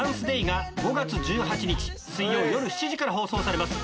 ５月１８日水曜夜７時から放送されます。